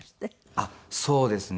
あっそうですね。